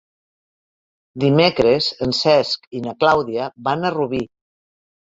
Dimecres en Cesc i na Clàudia van a Rubí.